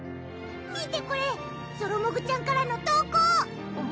見てこれソロもぐちゃんからの投稿！